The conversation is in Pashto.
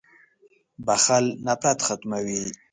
• بخښل نفرت ختموي.